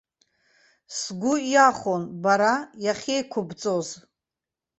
Сгәы иахәон бара иахьеиқәыбҵоз.